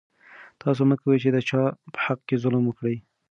تاسو مه کوئ چې د چا په حق کې ظلم وکړئ.